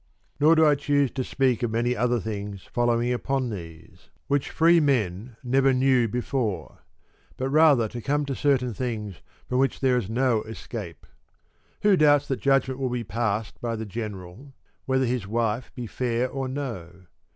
Nor do I choose to speak of many other things following upon these, which free men never knew before ; but rather to come to certain things from which there is no escape. Who doubts that judgment will be passed by the general whether his wife be fair or no